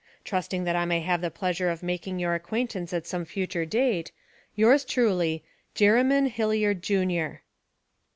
'Trusting that I may have the pleasure of making your acquaintance at some future date, 'Yours truly, 'JERYMN HILLIARD, JR.'